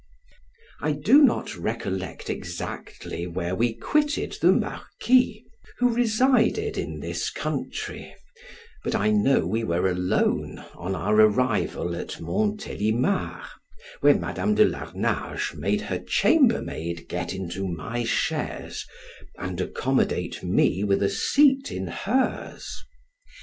I do not recollect exactly where we quitted the marquis, who resided in this country, but I know we were alone on our arrival at Montelimar, where Madam de Larnage made her chambermaid get into my chaise, and accommodate me with a seat in hers.